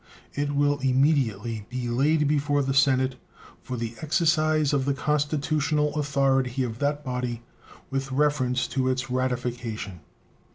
It will immediately be laid before the Senate for the exercise of the constitutional authority of that body with reference to its ratification.